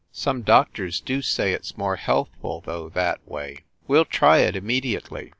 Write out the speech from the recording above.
Some doctors do say it s more healthful, though, that way. We ll try it im mediately."